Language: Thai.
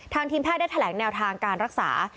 ทีมแพทย์ได้แถลงแนวทางการรักษา